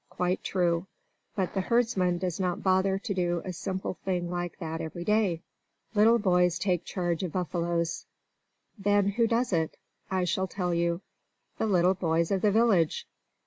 Quite true. But the herdsman does not bother to do a simple thing like that every day. Little Boys Take Charge of Buffaloes Then who does it? I shall tell you. The little boys of the village!